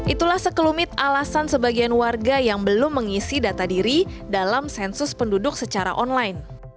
itulah sekelumit alasan sebagian warga yang belum mengisi data diri dalam sensus penduduk secara online